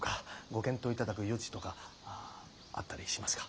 ご検討頂く余地とかあったりしますか？